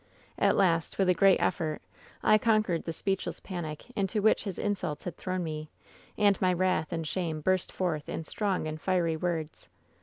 "At last, with a great effort, I conquered the speech less panic into which his insults had thrown me, and my wrath and shame burst forth in strong and fiery words.